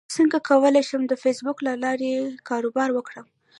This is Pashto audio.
څنګه کولی شم د فېسبوک له لارې کاروبار وکړم